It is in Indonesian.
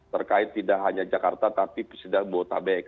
terkait tidak hanya jakarta tapi sedang bota bek